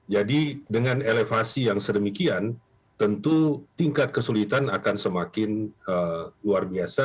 jadi dengan elevasi yang sedemikian tentu tingkat kesulitan akan semakin luar biasa